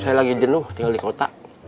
saya lagi jenuh tinggal dikota